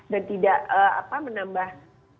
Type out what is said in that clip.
dan tidak menambah